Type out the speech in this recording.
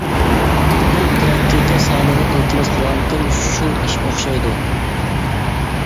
بىر پىراكتىكا سانىنى ئىلتىماس قىلغانتىم، شۇ ئىش ئوخشايدۇ.